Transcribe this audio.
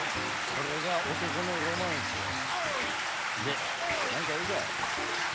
これが男のロマンっすよで何か用かい？